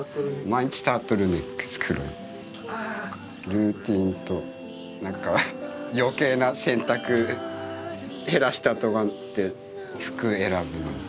ルーティンと何か余計な選択減らしたとかって服選ぶのに。